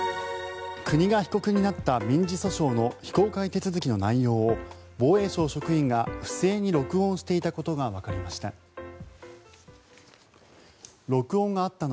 国が被告になった民事訴訟の非公開手続きの内容を防衛省職員が不正に録音していたことがわかりました。